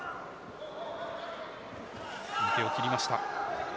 右手を切りました。